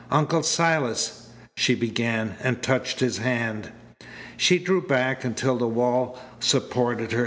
"Uncle Silas " she began, and touched his hand. She drew back until the wall supported her.